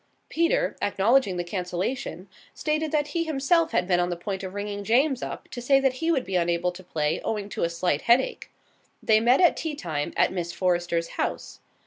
Peter, acknowledging the cancellation, stated that he himself had been on the point of ringing James up to say that he would be unable to play owing to a slight headache. They met at tea time at Miss Forrester's house.